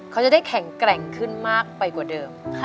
เขาจะได้แข็งแกร่งขึ้นมากไปกว่าเดิม